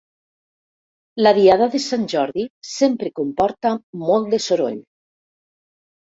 La diada de Sant Jordi sempre comporta molt de soroll.